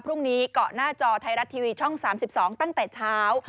พรุ่งนี้เกาะหน้าจอไทยรัฐทีวีช่อง๓๒ตั้งแต่เช้า